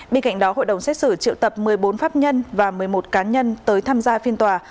bên cạnh đó hội đồng xét xử triệu tập một mươi bốn pháp nhân và một mươi một cá nhân tới tham gia phiên tòa